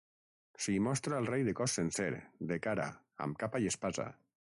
S'hi mostra el rei de cos sencer, de cara, amb capa i espasa.